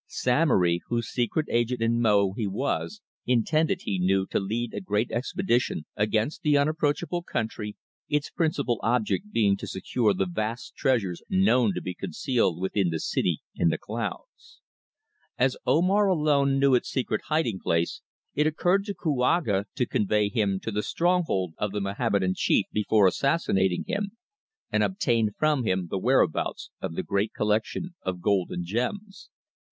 Samory, whose secret agent in Mo he was, intended, he knew, to lead a great expedition against the unapproachable country, its principal object being to secure the vast treasures known to be concealed within the City in the Clouds. As Omar alone knew its secret hiding place it occurred to Kouaga to convey him to the stronghold of the Mohammedan chief before assassinating him, and obtain from him the whereabouts of the great collection of gold and gems.